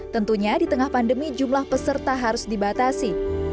tentunya di tengah pandemi jumlah peserta harus dibatasi